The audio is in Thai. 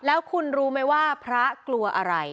แล้วคุณรู้ไหมว่าพระกลัวอะไร